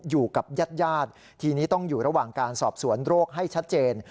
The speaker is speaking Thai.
อยู่กับญาติญาติทีนี้ต้องอยู่ระหว่างการสอบสวนโรคให้ชัดเจน